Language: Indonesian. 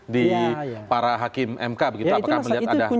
di para hakim mk begitu